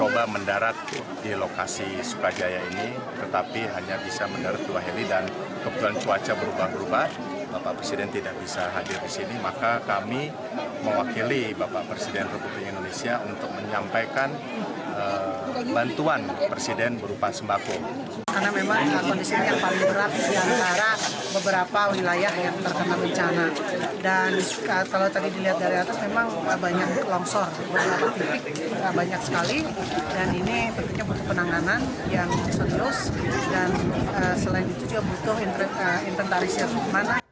dan kalau tadi dilihat dari atas memang banyak longsor banyak sekali dan ini berikutnya butuh penanganan yang serius dan selain itu juga butuh inventaris yang mana